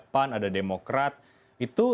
pan ada demokrat itu